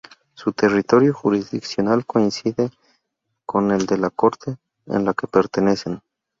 Su territorio jurisdiccional coincide con el de la Corte a la que pertenecen.